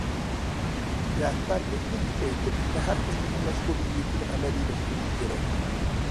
رەھبەرلىكنى كۈچەيتىپ، شەھەر خىزمىتى مەسئۇلىيىتىنى ئەمەلىيلەشتۈرۈش كېرەك.